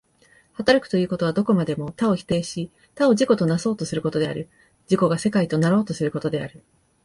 働くということは、どこまでも他を否定し他を自己となそうとすることである、自己が世界となろうとすることである。